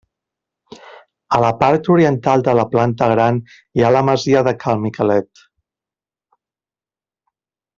A la part oriental de la Planta Gran hi ha la masia de Cal Miquelet.